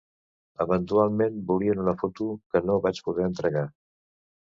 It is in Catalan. Eventualment, volien una foto que no vaig poder entregar.